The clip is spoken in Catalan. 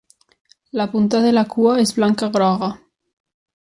La punta de la cua és blanca-groga.